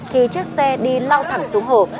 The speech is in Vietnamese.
thì chiếc xe đi lao thẳng xuống hồ